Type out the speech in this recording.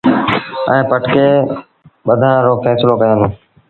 ائيٚݩ پٽڪي ٻڌآن رو ڦيسلو ڪيآݩدوݩ۔